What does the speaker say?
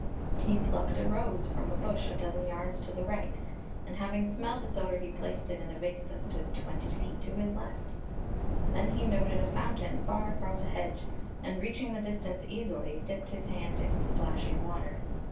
He plucked a rose from a bush a dozen yards to the right, and having smelled its odor he placed it in a vase that stood twenty feet to his left Then he noted a fountain far across a hedge, and reaching tlie distance easily, dipped his hand in the splashing water.